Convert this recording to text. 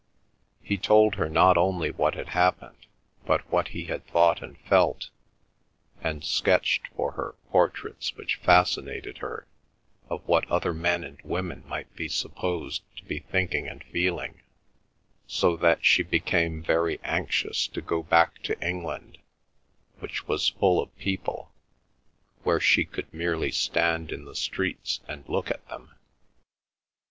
He told her not only what had happened, but what he had thought and felt, and sketched for her portraits which fascinated her of what other men and women might be supposed to be thinking and feeling, so that she became very anxious to go back to England, which was full of people, where she could merely stand in the streets and look at them.